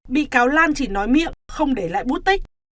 bị cáo lan chỉ nói miệng không để lại bút tích